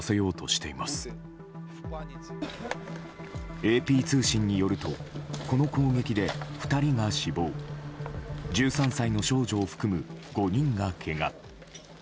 ＡＰ通信によると、この攻撃で２人が死亡１３歳の少女を含む５人がけが。